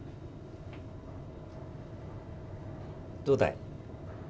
どうだい？